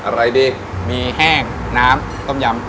อะไรดีมีแห้งน้ำต้มยำ